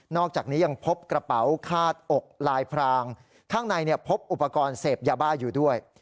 อกจากนี้ยังพบกระเป๋าคาดอกลายพรางข้างในพบอุปกรณ์เสพยาบ้าอยู่ด้วย